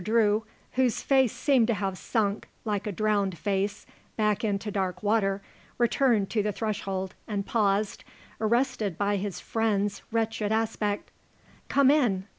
Drew, whose face seemed to have sunk, like a drowned face, back into dark water, returned to the threshold and paused, arrested by his friend's wretched aspect. "Come in.